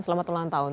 selamat ulang tahun